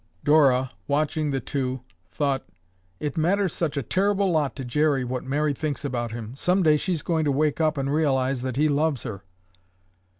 Dora, watching the two, thought, "It matters such a terrible lot to Jerry what Mary thinks about him. Some day she's going to wake up and realize that he loves her."